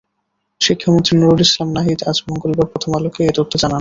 শিক্ষামন্ত্রী নুরুল ইসলাম নাহিদ আজ মঙ্গলবার প্রথম আলোকে এ তথ্য জানান।